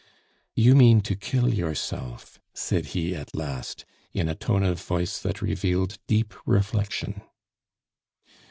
"You mean to kill yourself," said he at last, in a tone of voice that revealed deep reflection.